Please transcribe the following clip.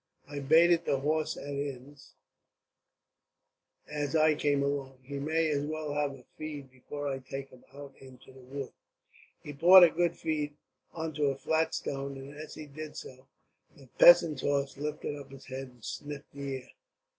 I baited the horse at inns, as I came along. He may as well have a feed, before I take him out into the wood." He poured a good feed onto a flat stone. As he did so, the peasant's horse lifted up his head and snuffed the air.